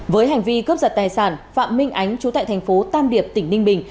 với hành vi cướp giật tài sản phạm minh ánh chú tại thành phố tam điệp tỉnh ninh bình